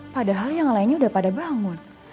padahal yang lainnya udah pada bangun